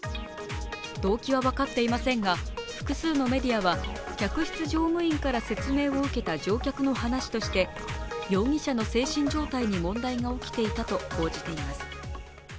動機は分かっていませんが複数のメディアは客室乗務員から説明を受けた話として容疑者の精神状態に問題が起きていたと報じています。